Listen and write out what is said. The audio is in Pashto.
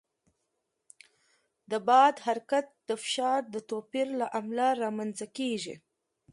د باد حرکت د فشار د توپیر له امله رامنځته کېږي.